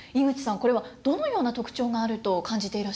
これはどのような特徴があると感じていらっしゃいますか？